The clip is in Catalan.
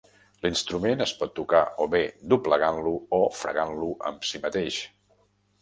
L'instrument es pot tocar o bé doblegant-lo o fregant-lo amb si mateix.